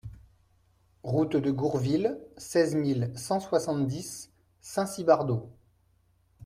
Route de Gourville, seize mille cent soixante-dix Saint-Cybardeaux